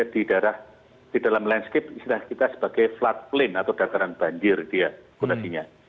dia di dalam landscape kita sebagai floodplain atau dataran banjir dia